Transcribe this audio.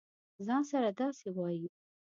ځـان سره داسې وایې.